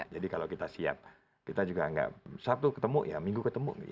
kalau kita siap kita juga nggak sabtu ketemu ya minggu ketemu